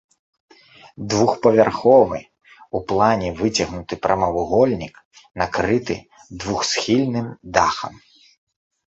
Двухпавярховы, у плане выцягнуты прамавугольнік, накрыты двухсхільным дахам.